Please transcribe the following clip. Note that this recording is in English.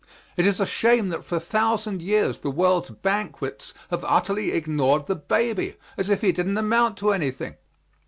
It is a shame that for a thousand years the world's banquets have utterly ignored the baby, as if he didn't amount to anything!